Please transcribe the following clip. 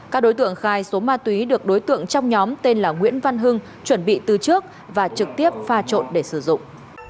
các đối tượng khai số ma túy được đối tượng trong nhóm tên là nguyễn văn hưng chuẩn bị từ trước và trực tiếp pha trộn để sử dụng